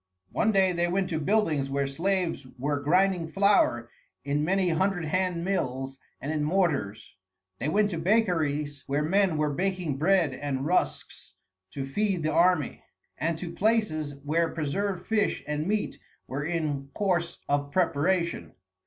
One day they went to buildings where slaves were grinding flour in many hundred hand mills and in mortars. They went to bakeries where men were baking bread and rusks to feed the army, and to places where preserved fish and meat were in course of preparation.